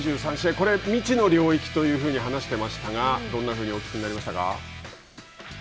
これ、未知の領域というふうに話していましたがどんなふうにお聞きになりましたか。